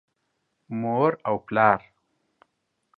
مور او پلار